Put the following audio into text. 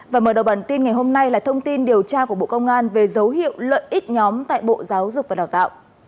và mở đầu bản tin ngày hôm nay là thông tin điều tra của bộ công an về dấu hiệu lợi ích nhóm tại bộ giáo dục và đào tạo